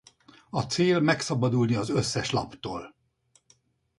A cél megszabadulni az összes laptól.